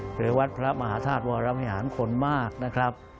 หรือวัดพระมหาธาตุวรวิหารคนมากนะครับ